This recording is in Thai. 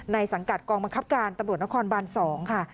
สังกัดกองบังคับการตำรวจนครบาน๒ค่ะ